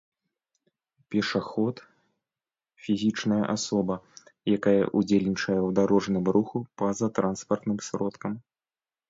пешаход — фізічная асоба, якая ўдзельнічае ў дарожным руху па-за транспартным сродкам